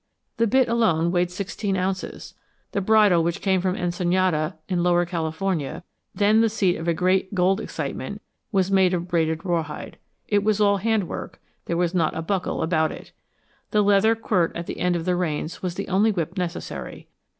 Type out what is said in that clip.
The bit alone weighed sixteen ounces. The bridle, which came from Enseñada in Lower California, then the seat of a great gold excitement, was made of braided raw hide. It was all hand work; there was not a buckle about it. The leather quirt at the end of the reins was the only whip necessary.